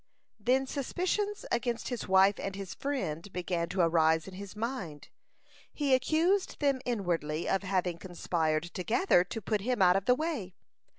(164) Then suspicions against his wife and his friend began to arise in his mind. He accused them inwardly of having conspired together to put him out of the way.